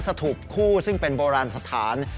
สถุปคู่ซึ่งเป็นโบราณสถาน